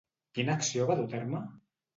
Quina acció va dur a terme?